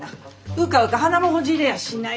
うかうか鼻もほじれやしない。